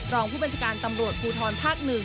รองผู้บัญชาการตำรวจภูทรภาค๑